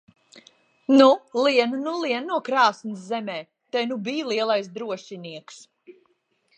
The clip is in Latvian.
Nu, lien nu lien no krāsns zemē! Te nu bij lielais drošinieks!